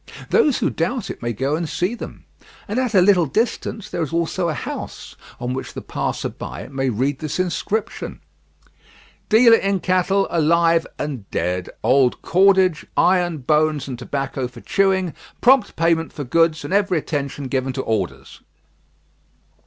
Those who doubt it may go and see them; and at a little distance, there is also a house on which the passer by may read this inscription: "DEALER IN CATTLE, ALIVE AND DEAD, OLD CORDAGE, IRON, BONES, AND TOBACCO FOR CHEWING, PROMPT PAYMENT FOR GOODS, AND EVERY ATTENTION GIVEN TO ORDERS."